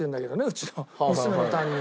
うちの娘の担任。